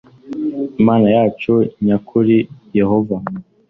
imana yacu nya kuri yehova